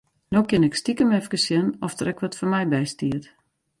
No kin ik stikem efkes sjen oft der ek wat foar my by stiet.